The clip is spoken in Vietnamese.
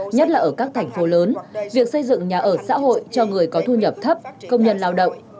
nhất là ở các thành phố lớn việc xây dựng nhà ở xã hội cho người có thu nhập thấp công nhân lao động